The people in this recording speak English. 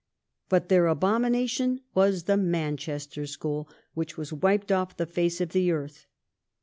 But their abomination was the Manchester school, which was wiped off the face of the earth.